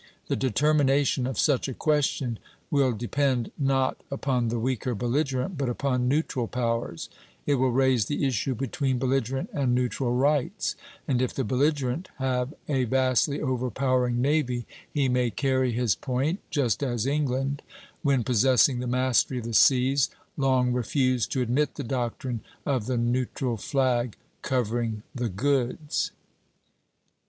The determination of such a question will depend, not upon the weaker belligerent, but upon neutral powers; it will raise the issue between belligerent and neutral rights; and if the belligerent have a vastly overpowering navy he may carry his point, just as England, when possessing the mastery of the seas, long refused to admit the doctrine of the neutral flag covering the goods.